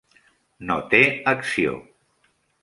No té acció.